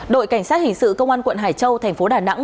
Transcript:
đội cảnh sát hình sự công an quận hải châu thành phố đà nẵng